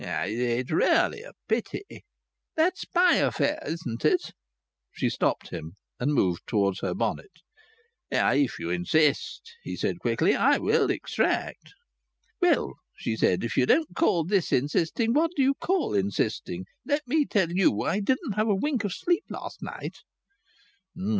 "It's really a pity " "That's my affair, isn't it?" she stopped him, and moved towards her bonnet. "If you insist," he said quickly, "I will extract." "Well," she said, "if you don't call this insisting, what do you call insisting? Let me tell you I didn't have a wink of sleep last night!"